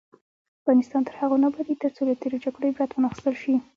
افغانستان تر هغو نه ابادیږي، ترڅو له تیرو جګړو عبرت وانخیستل شي.